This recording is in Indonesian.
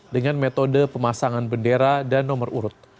dengan metode pemasangan bendera dan nomor urut